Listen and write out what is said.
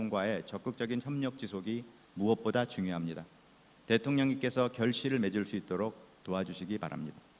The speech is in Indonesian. dan saya ingin mengucapkan terima kasih